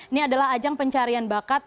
ini adalah ajang pencarian bakat